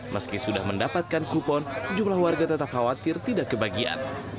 meski sudah mendapatkan kupon sejumlah warga tetap khawatir tidak kebagian